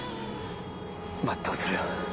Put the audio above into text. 全うするよ